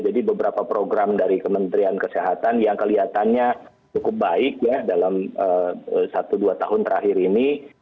jadi beberapa program dari kementerian kesehatan yang kelihatannya cukup baik ya dalam satu dua tahun terakhir ini